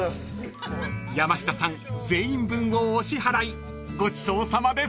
［山下さん全員分をお支払いごちそうさまです］